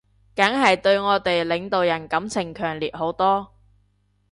梗係對我哋領導人感情強烈好多